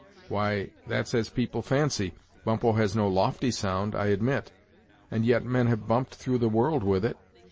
"Why, that's as people fancy. Bumppo has no lofty sound, I admit; and yet men have bumped through the world with it.